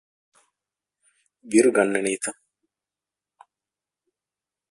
ބިރު ގަންނަނީތަ؟